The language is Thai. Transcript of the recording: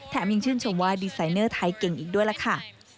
ยังชื่นชมว่าดีไซเนอร์ไทยเก่งอีกด้วยล่ะค่ะ